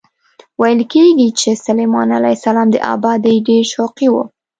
ویل کېږي چې سلیمان علیه السلام د ابادۍ ډېر شوقي و.